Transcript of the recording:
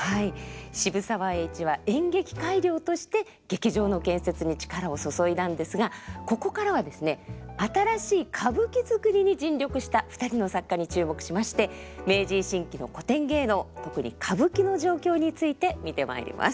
渋沢栄一は演劇改良として劇場の建設に力を注いだんですがここからはですね新しい歌舞伎作りに尽力した２人の作家に注目しまして明治維新期の古典芸能特に歌舞伎の状況について見てまいります。